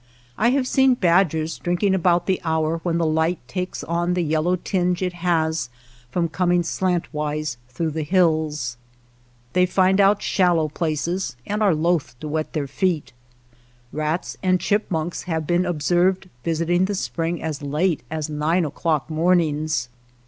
I have seen badgers drinking about the hour when the light takes on the yellow tinge it has from coming slantwise through the hills. They find out shallow places, and are loath to wet their feet. Rats and chipmunks have been observed visiting the spring as late as nine o'clock mornings.